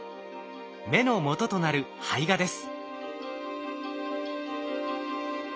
芽のもととなる胚芽です。